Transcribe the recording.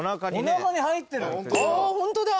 ホントだ。